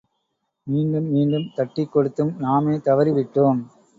மீண்டும் மீண்டும் தட்டிக் கொடுத்தும், நாமே தவறி விட்டோம்.